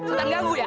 setan ganggu ya